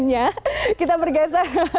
makanya kita bergeser